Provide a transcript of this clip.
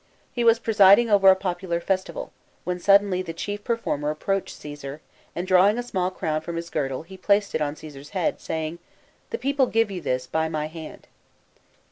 He was presiding over a popular festival, when suddenly the chief performer approached Coesar, and drawing a small crown from his girdle he placed it on Caesar's head, saying, " The people give you this, by my hand."